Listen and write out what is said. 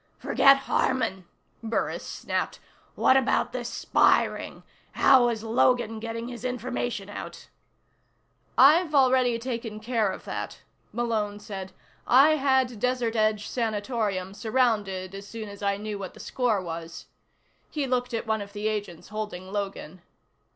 "Forget Harman," Burris snapped. "What about this spy ring? How was Logan getting his information out?" "I've already taken care of that," Malone said. "I had Desert Edge Sanatorium surrounded as soon as I knew what the score was." He looked at one of the agents holding Logan.